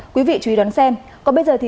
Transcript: quý vị chú ý đón xem còn bây giờ thì